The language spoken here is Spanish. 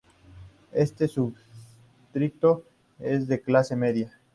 Este subdistrito es de clase media.